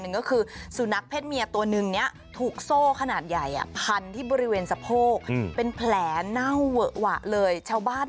นึงก็คือสุนัขเพชรเมียตัวหนึ่งนี้ถูกโซ่ขนาดใหญ่อ่ะพันธุ์ที่บริเวณสะโพกเป็นแผลเน่าวะเลยเช่าบ้าน